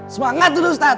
semangat dulu ustadz